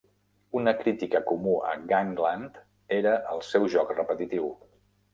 Una crítica comú a Gangland era el seu joc repetitiu.